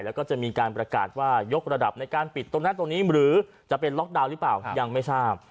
แล้วก็จะมีการประกาศว่ายกระดับในการปิดตรงนั้นตรงนี้หรือจะเป็นล็อกดาวน์หรือเปล่ายังไม่ทราบ